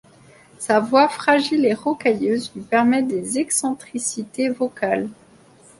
Sa voix fragile et rocailleuse lui permet des excentricités vocales.